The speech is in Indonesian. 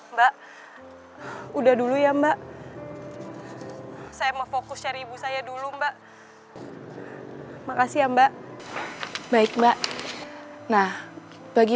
mbak udah dulu ya mbak saya mau fokus cari ibu saya dulu mbak makasih ya mbak baik mbak nah bagi